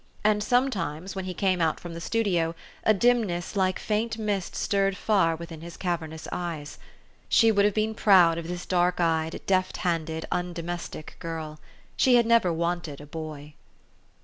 And sometimes, when he came out from the studio, a dimness like faint mist stirred far within his cavernous eyes. She would have been proud of this dark eyed, deft handed, un domestic girl. She had never wanted a boy.